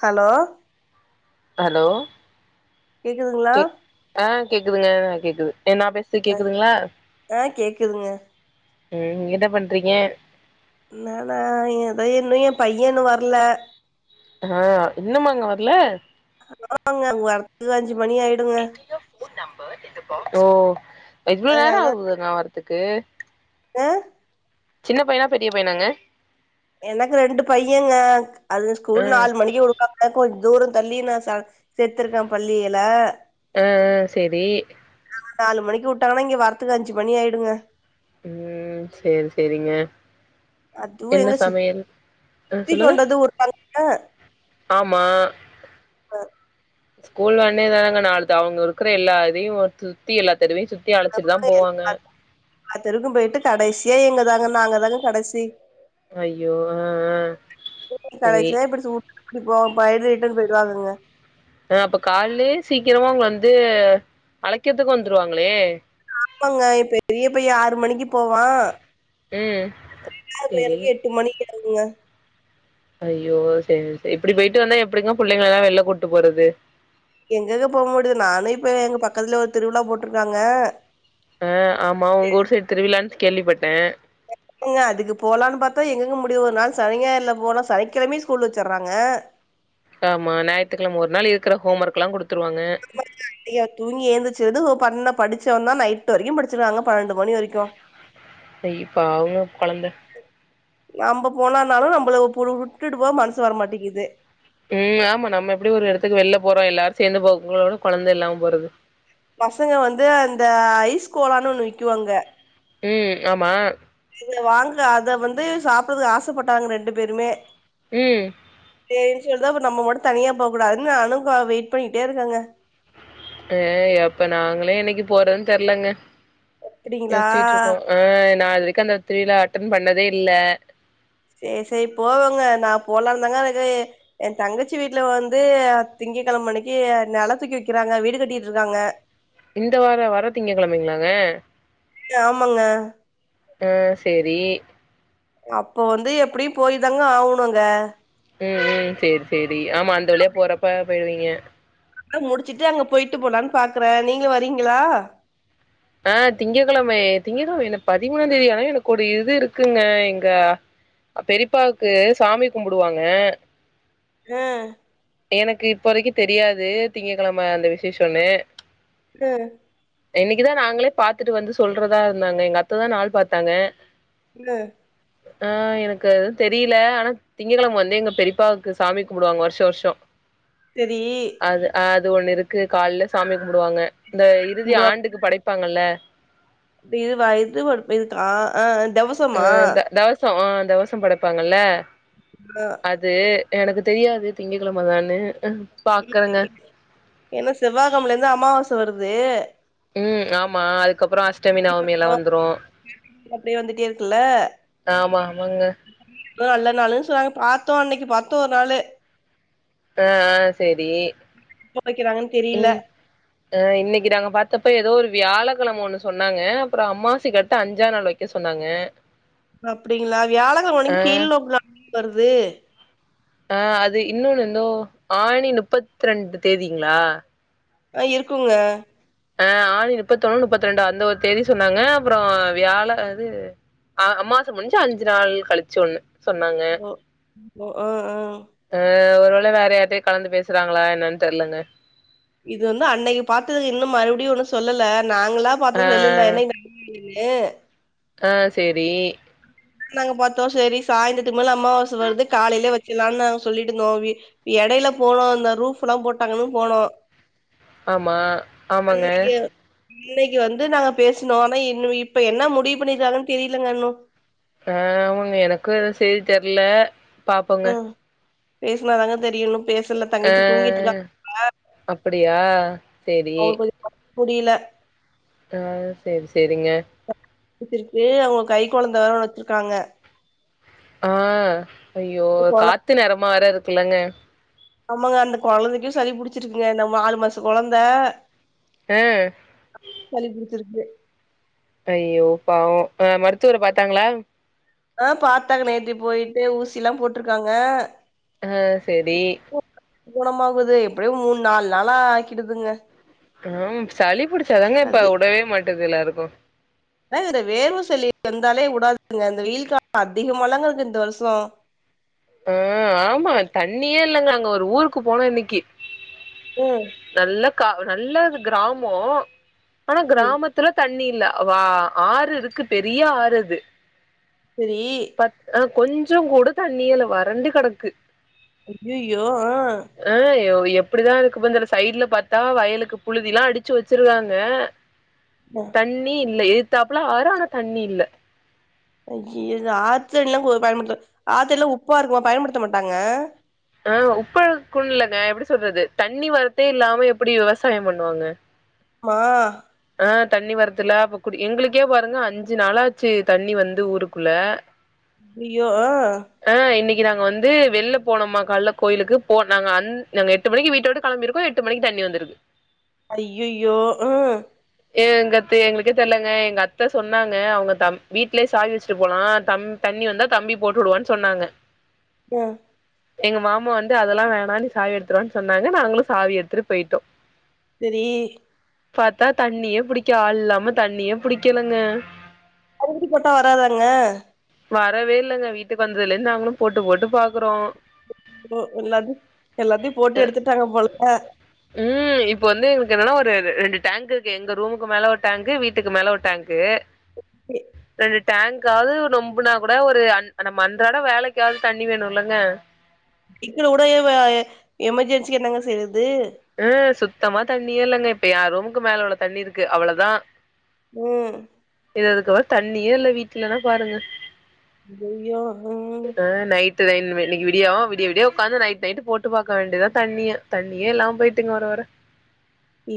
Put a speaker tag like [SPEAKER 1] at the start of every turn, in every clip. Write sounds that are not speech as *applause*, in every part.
[SPEAKER 1] hello
[SPEAKER 2] hello
[SPEAKER 1] கேக்குதுங்ளா
[SPEAKER 2] கே ஆ கேக்குதுங்க கேக்குது எ நா பேசது கேக்குதுங்ளா
[SPEAKER 1] ஆ கேக்குதுங்க
[SPEAKER 2] ம் என்ன பண்றிங்க
[SPEAKER 1] நானா ஏதோ இன்னு எம் பைய இன்னு வர்ல
[SPEAKER 2] ஆ இன்னுமாங்க வர்ல
[SPEAKER 1] ஆமாங்க அவுங்க வரதுக்கு அஞ்சு மணி ஆயிடுங்க
[SPEAKER 2] ஓ இவ்ளோ நேர ஆகு நா வரத்துக்கு
[SPEAKER 1] அ
[SPEAKER 2] சின்ன பையனா பெரிய பையனாங்க
[SPEAKER 1] எனக்கு ரெண்டு பையங்க அதுங்க
[SPEAKER 2] ஆ
[SPEAKER 1] ஸ்கூல் நாலு மணிக்கு விடு வாங்கா கொஞ்ச தூர தள்ளி நா ச சேத்திருக்கே பள்ளியில
[SPEAKER 2] ஆ ஆ சேரி
[SPEAKER 1] அங்க நாலு மணிக்கு வுட்டாங்கனா இங்க வரத்துக்கு அஞ்சு மணி ஆயிடுங்க
[SPEAKER 2] ம் சேரி சேரிங்க
[SPEAKER 1] அதுவு
[SPEAKER 2] என்ன
[SPEAKER 1] எங்க
[SPEAKER 2] சமையல் ஆ
[SPEAKER 1] சுத்திக்
[SPEAKER 2] சொல்லுங்க
[SPEAKER 1] கொண்டாந்து வுட்றாங்க
[SPEAKER 2] ஆமா
[SPEAKER 1] அ
[SPEAKER 2] கூல் ஒட்னே தானங்க நாலு த அவ்ங்க இருக்கிற எல்லா இதையு ஒரு சுத்தி எல்லா தெருவையு சுத்
[SPEAKER 1] *inaudible* எல்லா தெருவுக்கு போயிட்டு கடைசியா எங்கதாங்க நாங்க தாங்க கடைசி
[SPEAKER 2] ஐயோ ஆ ஆ சரி
[SPEAKER 1] கடைசியா இப்டி சுத் த்திப்போ பயந்து ரிட்டர்ன் போயிடுவாங்கங்க
[SPEAKER 2] ஆ அப்ப கால்லே சீக்கிரமா அவுங்க வந்து அழைக்கிறத்துக்கு வந்துருவாங்ளே
[SPEAKER 1] ஆமாங்க எ பெரிய பைய ஆறு மணிக்கு போவா
[SPEAKER 2] ம்
[SPEAKER 1] ரெண்டாவ்து
[SPEAKER 2] செரி
[SPEAKER 1] பையனுக்கு எட் ட்டு மணியாகுங்க
[SPEAKER 2] ஐயோ சேரி சே இப்டி போயிட்டு வந்தா எப்டிங்க புள்ளைங்களலா வெளில கூட்டு போறது
[SPEAKER 1] எங்கங்க போக முடிது நானு இப்ப எ எங்க பக்கத்துல ஒரு திருவிழா போட்ருக்காங்க
[SPEAKER 2] ஆ ஆமா உங்க ஊர் சைடு திருவிழான்னு கேள்விப்பட்டே
[SPEAKER 1] எங்கங்க அதுக்கு போலானு பாத்தா எங்கங்க முடியுது ஒரு நாள் சனி ஞாயிறுல போலா சனிக்கெழமையு ஸ்கூல் வச்சுர்றாங்க
[SPEAKER 2] ஆமா ஞாயித்துக்கெழம ஒரு நாள் இருக்கிற ஹோம் ஒர்க்லா குடுத்துருவாங்க
[SPEAKER 1] லையா தூங்கி ஏந்திச்சது பண்ண படிச்சவந்தா நைட்டு வரைக்கு படிச்சிர்றாங்க பன்னெண்டு மணி வரைக்கு
[SPEAKER 2] ஐய பாவங்க கொழந்த
[SPEAKER 1] நம்ப போனானாலு நம்பள புலு விட்டுட்டு போக மனசு வரமாட்டிங்கிது
[SPEAKER 2] ம் ஆமா நம்ம எப்டி ஒரு எடத்துக்கு வெளில போறோ எல்லாரு சேந்து போகப்போனாலு கொழந்த இல்லாம போறது
[SPEAKER 1] பசங்க வந்து அந்த ஐஸ் கோலான்னு ஒன்னு விக்குவாங்க
[SPEAKER 2] ம் ஆமா
[SPEAKER 1] இங்க வாங்குற அத வந்து சாப்பிட்றதுக்கு ஆசப்பட்டாங்க ரெண்டு பேருமே
[SPEAKER 2] ம்
[SPEAKER 1] சேரின்னு சொல்ட்டுதா அப்ப நம்ம மட்டு தனியா போக்கூடாதுன்னு நானுக்கா வெயிட் பண்ணிகிட்டே இருக்கங்க
[SPEAKER 2] அ எப்ப நாங்களே என்னைக்கு போறோன் தெர்லங்க
[SPEAKER 1] அப்டிங்களா
[SPEAKER 2] யோசிச்சுட்ருக்கோ ஆ நா அது வரைக்கு அந்த திருவிழா அட்டன்ட் பண்ணதே இல்ல
[SPEAKER 1] சேரி சேரி போவோங்க நா போலான்ந்தாங்க அழைத்ததே எ தங்கச்சி வீட்ல வந்து திங்கக்கெழம அன்னைக்கி நெல தூக்கி வக்கிறாங்க வீடு கட்டிட்ருக்காங்க
[SPEAKER 2] இந்த வார வர திங்கக்கெழமைங்ளாங்க
[SPEAKER 1] ஆமங்க
[SPEAKER 2] ஆ சேரி
[SPEAKER 1] அப்ப வந்து எப்டியு போய் தாங்க ஆகணு அங்க
[SPEAKER 2] ம் ம் சேரி சேரி ஆமா அந்த வழியா போறப்ப போயிருவீங்க
[SPEAKER 1] ஆ முடிச்சுட்டு அங்க போயிட்டு போலான் பாக்குறே நீங்க வரீங்ளா
[SPEAKER 2] ஆ திங்கக்கெழமையெ திங்ககெழம என்ன பதிமூணாந் தேதி ஆனா எனக்கு ஒரு இது இருக்குங்க இங்க அ பெரிப்பாவுக்கு சாமி கும்புடுவாங்க
[SPEAKER 1] ஆ
[SPEAKER 2] எனக்கு இப்ப வரைக்கு தெரியாது திங்கக்கெழம அந்த விசேஷன்னு
[SPEAKER 1] அ
[SPEAKER 2] இன்னைக்குதா நாங்களே பாத்துட்டு வந்து சொல்றதா இருந்தாங்க எங்க அத்ததா நாள் பாத்தாங்க
[SPEAKER 1] ம் ல
[SPEAKER 2] ஆ எனக்கு அதுவு தெரியில ஆனா திங்ககெழம வந்து எங்க பெரியப்பாவுக்கு சாமி கும்புடுவாங்க வருஷ வஷம்
[SPEAKER 1] செரி
[SPEAKER 2] அது அது ஒன்னு இருக்கு காலைல சாமி கும்புடுவாங்க இந்த இறுதி
[SPEAKER 1] இதுவா
[SPEAKER 2] ஆண்டுக்கு படைப்பாங்கல்ல
[SPEAKER 1] இதுவா இது ஒரு இது க ஆ தவுச
[SPEAKER 2] அ தெ தெவசோ ஆ தெவசோ படைப்பாங்கல்ல
[SPEAKER 1] ஆ
[SPEAKER 2] அது எனக்கு தெரியாது திங்க கெழமதான்னு
[SPEAKER 1] ஏன்னா செவ்வகெழமைல இருந்து அம்மாவாச வருது
[SPEAKER 2] ம் ஆமா அதுக்கப்றோ அஷ்டமி நவமி எல்லா வந்துரு
[SPEAKER 1] அப்டியே வந்துட்டே இருக்குல்ல
[SPEAKER 2] ஆமா ஆமாங்க
[SPEAKER 1] எதோ நல்ல நாள்னு சொன்னாங்க பாத்தோ அன்னைக்கு பாத்தோ ஒரு நாளு
[SPEAKER 2] ஆ ஆ சேரி
[SPEAKER 1] எப்ப வெக்கிறாங்கன்னு தெரியல
[SPEAKER 2] ம் ஆ இன்னைக்கு நாங்க பாத்தப்ப ஏதோ ஒரு வியாழக்கிழம ஒன்னு சொன்னாங்க அப்றோ அமாசைக்கு அடுத்து அஞ்சா நாள் வைக்க க்க சொன்னாங்க
[SPEAKER 1] அப்டிங்களா வியாழகெழம
[SPEAKER 2] ஆ
[SPEAKER 1] அன்னைக்கி கீழ் நோக்கு நாள் தானே வருது
[SPEAKER 2] ஆ அது இன்னொன்னு இன்னோ ஆணி முப்பத்தி ரெண்டு தேதிங்களா
[SPEAKER 1] ஆ இருக்குங்க
[SPEAKER 2] ஆ ஆணி முப்பத்து ஒன்னு முப்பத்து ரெண்டு அந்த ஒரு தேதி சொன்னாங்க அப்றோ வியாழ அது அ அம்மாவாச முடிஞ்சி அஞ்சு நாள் கழிச்சி ஒன்னு
[SPEAKER 1] ஓ ஓ அ அ
[SPEAKER 2] ஆ ஒரு வேள வேற யார்கிட்டயு கலந்து பேசுறாங்களா என்னன்னு தெர்லங்க
[SPEAKER 1] இது வந்து அன்னைக்கு பாத்ததுக்கு இன்னு மறுபடியு ஒன்னு சொல்லல்ல நாங்களா பாத்த செல்லுல
[SPEAKER 2] ஆ
[SPEAKER 1] என்னைக்கினு இல்லே
[SPEAKER 2] ஆ சேரி
[SPEAKER 1] வீட்ல நாங்க பாத்தோ சேரி சாய்ந்தரத்துக்கு மேல அம்மாவாச வருது காலைலேயே வெச்சிட்லாம்னு நாங்க சொல்லிட்டு இருந்தோ வீட் எடைல போனோ இந்த ரூஃப்லா போட்டாங்கன்னு போனோ
[SPEAKER 2] ஆமா ஆமாங்க
[SPEAKER 1] அன்னைக்கு பிள்ளைக்கு வந்து நாங்க பேசுனோ ஆனா இன்னு இப்ப என்ன முடிவு பண்ணியிருகுறாங்கன்னு தெரிலங்க இன்னு
[SPEAKER 2] ஆமாங்க எனக்கு எதுவு சேதி தெர்ல பாப்போங்க
[SPEAKER 1] ம் பேசுனாதாங்க தெரியு பேசுல
[SPEAKER 2] ஆ
[SPEAKER 1] தங்கச்சி தூங்கிட்டு இருந்தாங்க
[SPEAKER 2] அப்படியா சேரி
[SPEAKER 1] அவுங்க கொஞ்சோ முடியல
[SPEAKER 2] ஆ சேரி சேரிங்க
[SPEAKER 1] புச்சிருக்கு அவுங்க கை கொழந்த வேர வெச்சிருக்காங்க
[SPEAKER 2] ஆ ஐயோ
[SPEAKER 1] இந்த கொழ
[SPEAKER 2] காத்து நேரமா வேற இருக்குலங்க
[SPEAKER 1] ஆமாங்க அந்த கொழந்தைக்கு சளி புடிச்சிருக்குங்க இந்த நாலு மாசோ கொழந்த
[SPEAKER 2] ஆ
[SPEAKER 1] சளி புடுச்சிருக்கு
[SPEAKER 2] ஐயோ பாவோ அ மருத்துவர பாத்தாங்களா
[SPEAKER 1] ஆ பாத்தாங்க நேத்து போயிட்டு ஊசி எல்லா போட்டிருக்காங்க
[SPEAKER 2] ஆ சேரி
[SPEAKER 1] குணமாகுது எப்டியு மூண் நால் நாளா ஆக்கிடுதுங்க
[SPEAKER 2] ஆஹம் சளி புடிச்சாதாங்க இப்ப
[SPEAKER 1] அது
[SPEAKER 2] உடவே மாட்டது எல்லாருக்கு
[SPEAKER 1] ஆ இதுல வேர்வ சளி வந்தாலே உடாதுங்க இந்த வெயில் காலோ அதிகமால்லங்க இருக்கு இந்த வருஷோ
[SPEAKER 2] ஆ ஆமா தண்ணியே இல்லங்க அங்க ஒரு ஊருக்கு போனா இன்னைக்கு
[SPEAKER 1] ம்
[SPEAKER 2] நல்ல கா நல்ல கிராமோ ஆனா
[SPEAKER 1] ம்
[SPEAKER 2] கிராமத்து த்துல தண்ணி இல்ல வா ஆறு இருக்கு பெரிய ஆறு அது
[SPEAKER 1] செரி
[SPEAKER 2] ஆ கொஞ்சோ கூட தண்ணியே இல்ல வறண்டு கெடக்கு
[SPEAKER 1] ஐயயோ ஆ
[SPEAKER 2] அ யோ எப்புடிதா இருக்கபோர்ந்தெர்ல சைடுல பாத்தா வய்லுக்கு புழுதிலா அடிச்சு வச்சிருகாங்க
[SPEAKER 1] மா
[SPEAKER 2] தண்ணி இல்ல எட்த்தாப்ல ஆறு ஆனா தண்ணி இல்ல
[SPEAKER 1] ஐயிய இது ஆத்தண்லா கோ பயன்பட்த்த ஆத்தண்லா உப்பா இருக்குமா பயன்படுத்த மாட்டாங்க
[SPEAKER 2] ஆ உப்பா இருக்குன் இல்லங்க எப்டி சொல்றது தண்ணி வர்த்தே இல்லாம எப்படி விவசாயம் பண்ணுவாங்க
[SPEAKER 1] மா
[SPEAKER 2] ஆ தண்ணி வர்துல அப்ப குடி எங்குளுக்கே பாருங்க அஞ்சு நாளாச்சு தண்ணி வந்து ஊருக்குள்ள
[SPEAKER 1] ஐயியோ ஆ
[SPEAKER 2] ஆ இன்னைக்கு நாங்க வந்து வெள்ல போனோம்மா கால்ல கோய்லுக்கு போ நாங்க அந் நாங்க எ எட்டு மணிக்கு வீட்ட விட்டு களம்பிருக்கோ எட்டு மணிக்கு தண்ணி வந்துருக்கு
[SPEAKER 1] ஐயயோ ஆ
[SPEAKER 2] ஏ எங்கத்தே எங்ளுக்கே தெர்லங்க எங்க அத்த சொன்னாங்க அவ்ங்க தம் வீட்லே சாவி வஸ்ட்டு போலா தம் தண்ணி வந்தா தம்பி போட்டு உடுவான் சொன்னாங்க
[SPEAKER 1] அ
[SPEAKER 2] எங்க மாமா வந்து அதெல்லா வேணா நீ சாவி எடுத்துடுவான் சொன்னாங்க நாங்களு சாவி எட்த்துடு பேய்ட்டோ
[SPEAKER 1] செரி
[SPEAKER 2] பாத்தா தண்ணியே புடிக்க ஆள் இல்லாம தண்ணியே புடிக்கலங்க
[SPEAKER 1] மறுவுடி போட்டா வராதாங்க
[SPEAKER 2] வரவே இல்லங்க வீட்டுக் வந்தலன் நாங்குளு போட்டு போட்டு பாக்குறோ
[SPEAKER 1] ஒ எல்லாது எல்லாத்யு போட்டு எடுத்துட்டாங்க போல
[SPEAKER 2] ம் இப்ப வந்து எங்ளுக் என்னன்னா ஒரு ரு ரெண்டு டாங்கு எங்க ரூமுக்கு மேல ஒரு டாங்கு வீட்டுக்கு மேல ஒரு டாங்க்கு
[SPEAKER 1] பிடி
[SPEAKER 2] இது டேங்க்காது நொம்புனா கூட ஒரு அன் நம்ம அன்றாட வேலைக்காது தண்ணி வேணுலங்க
[SPEAKER 1] இக்னா உடையவ எமர்ஜென்சி என்னங்க செய்றது
[SPEAKER 2] அ சுத்தமா தண்ணியே இல்லங்க இப்ப யா ரூமுக்கு மேல உள்ள தண்ணி இருக்கு அவுலதா
[SPEAKER 1] ம்
[SPEAKER 2] இது அதுக்கப்புற தண்ணியே இல்ல வீட்லனா பாருங்க
[SPEAKER 1] ஐயயோ ஆ
[SPEAKER 2] அ நைட்டுதா இன்னுமே இன்னிக்கு விடியோ விடிய விடிய உக்காந்து நைட் நைட் போட்டு பாக்க வேண்டிதா தண்ணிய தண்ணியே இல்லாம் போய்ட்டுங்க வர வர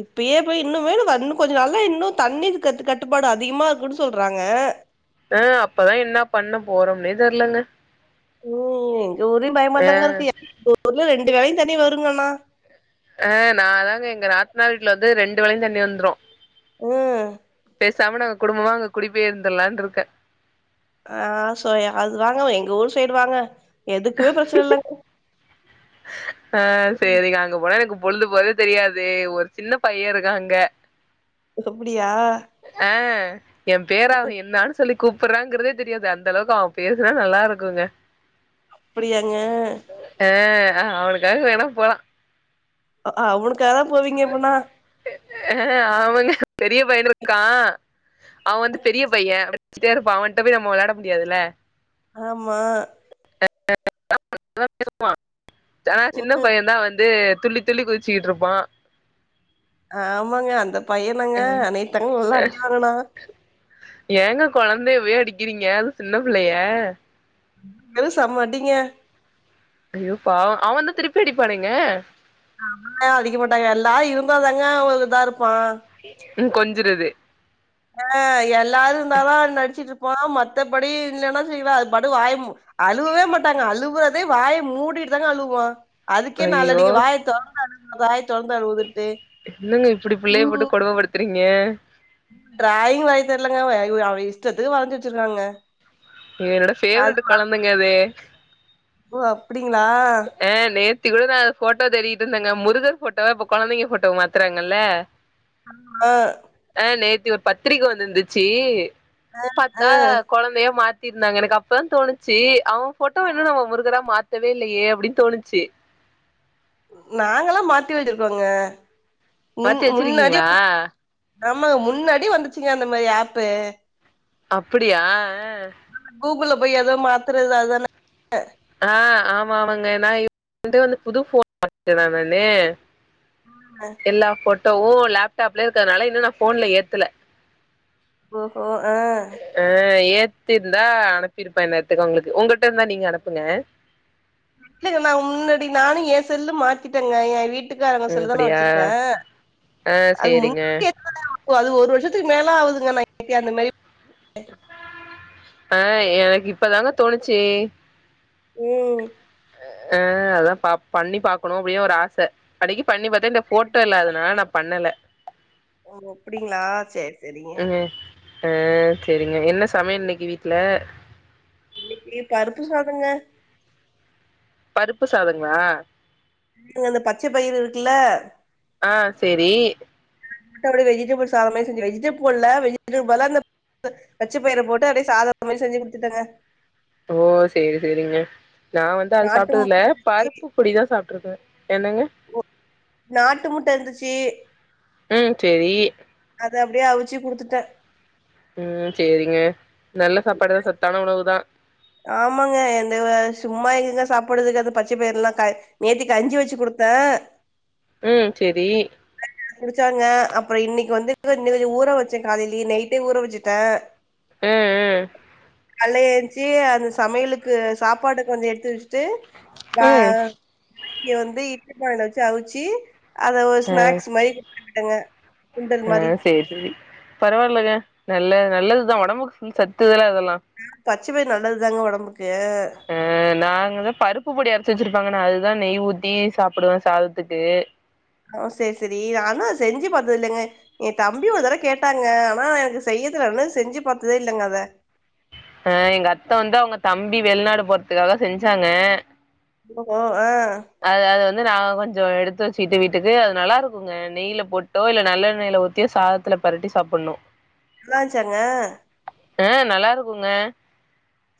[SPEAKER 1] இப்பியே போய் இன்னுமே நம்ப இன்னு கொஞ்சு நாள்ல இன்னு தண்ணிக்கு கத்து கட்டுப்பாடு அதிகுமா இருக்குன் சொல்றாங்க
[SPEAKER 2] அ அப்பதா என்ன பண்ண போறொம்னே தெர்லங்க
[SPEAKER 1] ம் எங்க ஊர்யு பயமா
[SPEAKER 2] ஆ
[SPEAKER 1] தாங்க இருக்கு *inaudible* ஊர்ல ரெண்டு வேலையு தண்ணி வருங்கணா
[SPEAKER 2] ஆ நா அதாங்க எங்க நாத்னா வீட்ல வந்து ரெண்டு வேலையு தண்ணி வந்ரு
[SPEAKER 1] அ
[SPEAKER 2] பேசாம நாங்க குடும்பமா அங்க குடி பேயந்தலான்ருக்க
[SPEAKER 1] ஆ சோ அது வாங்க எங்க ஊர் சைடு வாங்க எதுக்குமே ப்ரச்சன இல்லங்
[SPEAKER 2] ஆ சரிக்க அங்க போனா எனக்கு பொழுது போறதே தெரியாது ஒரு சின்ன பைய இருக்கா அங்க
[SPEAKER 1] அப்டியா
[SPEAKER 2] ஆ எ பேரா என்னான் சொல்லி கூப்புறாங்கிறதே தெரியாது அந்தளவுக்கு அவ பேசுனா நல்லா இருக்குங்க
[SPEAKER 1] அப்படியாங்க
[SPEAKER 2] ஆ அவனுக்காக வேணா போலா
[SPEAKER 1] ஆ அவனுக்காகதா போவீங்க அப்பனா
[SPEAKER 2] அ அவனு பெரிய பையனு இருக்கா அவ வந்து பெரிய பைய பச்சிட்டே இருப்பா அவன்ட்ட போய நம்ம வெளையாட முடியாதுல்ல
[SPEAKER 1] ஆமா
[SPEAKER 2] *inaudible* ஆனா சின்ன
[SPEAKER 1] ம்
[SPEAKER 2] பைய தா வந்து துள்ளி துள்ளி குதிச்சிட்டு இருப்பா
[SPEAKER 1] ஆமாங்க அந்த பையதாங்க நேத்தாங்க நல்லா அடி வாங்கனா
[SPEAKER 2] ஏங்க கொழந்தையபோய் அடிக்கிறீங்க அதுவு சின்ன பிள்ளைய
[SPEAKER 1] வெறு சம்ம அடிங்க
[SPEAKER 2] ஐயோ பாவோ அவ வந்து திருப்பி அடிப்பானேங்க
[SPEAKER 1] நம்மள அடிக்க மாட்டாங்க எல்லாரு இருந்தாதங்க அவ்ள இதா இருப்பா
[SPEAKER 2] ம் கொஞ்சுறது
[SPEAKER 1] ஆ எல்லாரு இருந்தாதா என்ன ஈடிச்சிட்டு இருப்பா மத்தபடி இல்லன்னா செய்வா அது பாட்டு வாயமு அழுவவே மாட்டாங்க அழுவுறதே வாய மூடிட்டு தாங்க அழுவா அதுக்கே நாலு
[SPEAKER 2] ஐயோ
[SPEAKER 1] அடிங்க வாயத்தொ வாய தொறந்து அடுவுன்ட்டு ம்
[SPEAKER 2] சரிங்க
[SPEAKER 1] டிராயிங் வரைய தெர்லங்க ஐ அவ இஷ்டத்துக்கு வரஞ்சு வச்சிருகுக்காங்க
[SPEAKER 2] சே என்னோட பேஃவெரெட் கொழந்தங்க அது
[SPEAKER 1] ஓ அப்டிங்களா
[SPEAKER 2] ஆ நேத்தி கூட நா ஃபோட்டோ தேடிட்டு இருந்தேங்க முருகர் ஃபோட்டோவ இப்ப கொழந்தைங்க ஃபோட்டோவா மாத்துறாங்கல்ல
[SPEAKER 1] ஆ
[SPEAKER 2] ஆ நேத்தி ஒரு பத்திரிக வந்திருந்துச்சு
[SPEAKER 1] ஆ
[SPEAKER 2] பாத்தா கொழந்தைய மாத்திருந்தாங்க எனக்கு அப்போதா தோணுச்சு அவ ஃபோட்டோவ இன்ணு நம்ம முருகரா மாத் லயே அப்டின்னு தோணுச்சு
[SPEAKER 1] நாங்கல்லா மாத்தி வச்சிருக்கோங்க முன்
[SPEAKER 2] மாத்தி
[SPEAKER 1] முன்னாடி
[SPEAKER 2] வச்சிருக்கீங்களா
[SPEAKER 1] ஆமா முன்னாடி வந்துச்சுங்க அந்த மாரி ஆப்பு
[SPEAKER 2] அப்டியா அ
[SPEAKER 1] கூகுள்ல போய் ஏதோ மாத்துரது அதான
[SPEAKER 2] ஆ ஆமானுங்க நா எந்து வந்து புது ஃபோனு *inaudible* நானு
[SPEAKER 1] ஆமா
[SPEAKER 2] எல்லா ஃபோட்டோவுமன லேப்டாப்லயே இருக்குறனால இன்னு நா ஃபோன்ல ஏத்துல
[SPEAKER 1] ஓஹோ ஆ
[SPEAKER 2] ஆ ஏத்தி இருந்தா அனுப்பிருப்ப இந்நேரத்துக்கு உங்களுக்கு உங்கள்ட்ட இருந்தா நீங்க அனுப்புங்க
[SPEAKER 1] இல்லங்க நா முன்னாடி நானு எ செல்லு மாத்திட்டங்க எ வீ ட்டுக்காரங்க
[SPEAKER 2] ம்
[SPEAKER 1] சொல்லுதா நா
[SPEAKER 2] அப்டியா
[SPEAKER 1] வச்சிருக்க
[SPEAKER 2] ஆ
[SPEAKER 1] அது
[SPEAKER 2] சேரிங்க
[SPEAKER 1] *inaudible* அது ஒரு வருஷத்துக்கு மேல ஆகுதுங்க எனக்கு அந்த மாரி
[SPEAKER 2] அ எனக்கு இப்பதாங்க தோணுச்சு
[SPEAKER 1] ம்
[SPEAKER 2] ஆ அதா பா பண்ணி பாக்கணு அப்டின்னு ஒரு ஆச கடைக்கு பண்ணி பாத்த இந்த
[SPEAKER 1] சரி
[SPEAKER 2] ஃபோட்டோ இல்லா அதுனால நா பண்ணல
[SPEAKER 1] ஒ அப்டிங்களா சரி சரிங்க
[SPEAKER 2] அ சரிங்க என்ன சமயல் இன்னைக்கு வீட்ல
[SPEAKER 1] இன்னிக்கு பருப்பு சாதங்க
[SPEAKER 2] பருப்பு சாதங்களா
[SPEAKER 1] அந்த பச்ச பயிறு இருக்குல்ல
[SPEAKER 2] ஆ சேரி
[SPEAKER 1] மத்தபடி வெஜிடபிள் சாதமே செஞ்சொ வெஜிடபில் போட்ல வெஜிடபில் பதில்லா அந்த பு பச்ச பயிர போட்டு அப்டியே சாதார மாரி செஞ்சு குடுத்துட்டங்க
[SPEAKER 2] ஓ சேரி சேரிங்க நா வந்து அது
[SPEAKER 1] நாட்டு
[SPEAKER 2] சாப்புட்ல
[SPEAKER 1] முட்ட இருந்துச்சு
[SPEAKER 2] பருப்பு பொடிதா சாப்ட்ருக்க என்னங்க
[SPEAKER 1] ஓ, நாட்டு முட்ட இருந்துச்சி
[SPEAKER 2] ம் சரி
[SPEAKER 1] அது அப்டியே அவிச்சு குடுத்துட்ட
[SPEAKER 2] உம் சரிங்க நல்ல சாப்பாடுதா சத்தான உணவுதா
[SPEAKER 1] ஆமாங்க இந்தந்த சும்மா எங்கங்க சாப்படுறதுங்க அது பச்ச பயிறுல்லா க நேத்திக்கஞ்சி வச்சு குடுத்த
[SPEAKER 2] ம் செரி
[SPEAKER 1] புடிச்சாங்க அப்பற இன்னிக்கு வந்து இன்னு கொஞ்சோ ஊற வச்ச காலையிலே நைட்டே ஊற வச்சுட்டே
[SPEAKER 2] ம்
[SPEAKER 1] கல்ல ஏஞ்ச்சி அந்த சமையலுக்கு சாப்பாடு கொஞ்ச எடுத்து வச்ட்டு
[SPEAKER 2] ம்
[SPEAKER 1] வா
[SPEAKER 2] ம்
[SPEAKER 1] இங்க வந்து இட்லி பானைல வச்சு அவிச்சி அத ஒரு
[SPEAKER 2] ஆ
[SPEAKER 1] ஸ்நாக்ஸ் மாரி விடுங்க
[SPEAKER 2] ஆ சரி சரி பரவால்லங்க நல்ல நல்லதுதா ஒடம்புக் சத்து தா அதெல்லா
[SPEAKER 1] பச்ச பயிறு நல்லதுதாங்க ஒடம்புக்கூ
[SPEAKER 2] அ நாங்கதா பருப்பு பொடி அரைச்சு வச்சிருப்பாங்கன்னா அதுதா நெய் ஊத்தி சாப்டுவ சாதத்துக்கு
[SPEAKER 1] ஓ சரி சரி ஆனா செஞ்சு பாத்ததுல்லங்க ஏ தம்பி ஒரு தட கேட்டாங்க ஆனா எனக்கு செய்யதுலன்னு செஞ்சு பாத்ததே இல்லங்க அத
[SPEAKER 2] ஆ எங்க அத்த வந்து அவங்க தம்பி வெளிநாடு போறதுக்காக செஞ்சாங்க
[SPEAKER 1] ஓ ஓ ஆ
[SPEAKER 2] அது அது வந்து நாங்க கொஞ்ச எடுத்து வச்சுட்டு வீட்டுக்கு அது நல்லாருக்குங்க நெய்ல போட்டோ இல்ல நல்லெண்ணைய்ல ஊத்தியோ சாத த்துல பெரட்டி சாப்பணு
[SPEAKER 1] நல்லாச்சாங்க
[SPEAKER 2] அ நல்லாருக்குங்க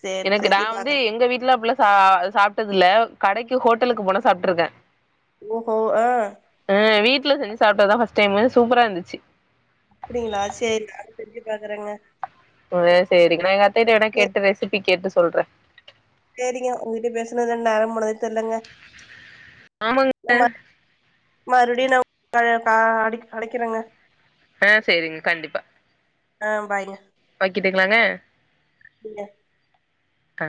[SPEAKER 1] சேர்னு
[SPEAKER 2] எனக்கு நா
[SPEAKER 1] செஞ்சு
[SPEAKER 2] வந்து
[SPEAKER 1] பாக்குறே
[SPEAKER 2] எங்க வீட்டுல அப்பள ஆ சாப்ட்டதுல்ல கடைக்கு ஹோட்டலுக்கு போனா சாப்ட்ருக்க
[SPEAKER 1] ஓஹோ ஆ
[SPEAKER 2] ஆ வீட்ல செஞ்ச சாப்ட்டதா ஃபஸ்ட் டைமு சூப்பரா இருந்துச்சு
[SPEAKER 1] அப்படிங்களா சேரி நானு செஞ்சு பாக்குறங்க
[SPEAKER 2] உ சரி நா எங்கத்திட்டவனா
[SPEAKER 1] சேரி
[SPEAKER 2] கேட்டு ரெசிபி கேட்டு சொல்ற
[SPEAKER 1] சரிங்க உங்கிட்ட பேசுணது‌ நேரோ போனதே தெர்லங்க
[SPEAKER 2] ஆமாங்க
[SPEAKER 1] *unintelligible* மறுடி நா அ கா அடைக் அடைக்கிறங்க
[SPEAKER 2] ஆ செரிங்க கண்டிப்பா
[SPEAKER 1] ஆ பாய்ங்க
[SPEAKER 2] வக்கிட்டுங்கலாங்க
[SPEAKER 1] ங்க
[SPEAKER 2] ஆ